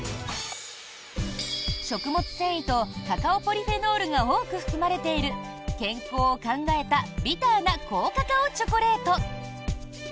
食物繊維とカカオポリフェノールが多く含まれている、健康を考えたビターな高カカオチョコレート。